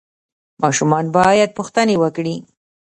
ماشومان باید پوښتنې وکړي.